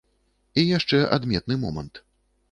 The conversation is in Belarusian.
І яшчэ адметны момант.